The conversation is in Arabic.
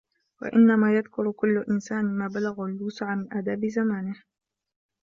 وَإِنَّمَا يَذْكُرُ كُلُّ إنْسَانٍ مَا بَلَغَهُ الْوُسْعُ مِنْ آدَابِ زَمَانِهِ